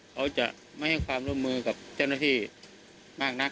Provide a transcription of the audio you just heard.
เขาจะไม่ให้ความร่วมมือกับเจ้าหน้าที่มากนัก